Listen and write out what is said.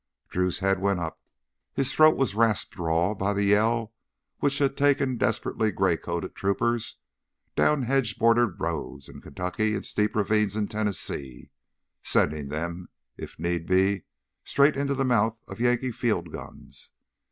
Drew's head went up, his throat was rasped raw by the Yell which had taken desperate gray coated troopers down hedge bordered roads in Kentucky and steep ravines in Tennessee, sending them, if need be, straight into the mouths of Yankee field guns.